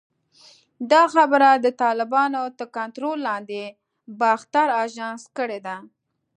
دا خبره د طالبانو تر کنټرول لاندې باختر اژانس کړې ده